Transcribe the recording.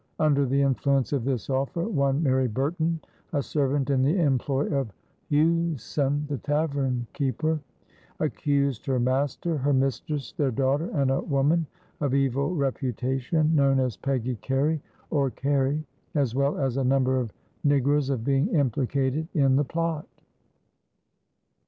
Under the influence of this offer one Mary Burton, a servant in the employ of Hughson, the tavern keeper, accused her master, her mistress, their daughter, and a woman of evil reputation known as Peggy Carey, or Kerry, as well as a number of negroes, of being implicated in the plot.